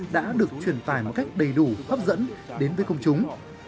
đã được truyền tải một cách đầy đủ hấp dẫn đến với công chúng